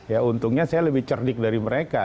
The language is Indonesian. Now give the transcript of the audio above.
ya untungnya saya lebih cerdik dari mereka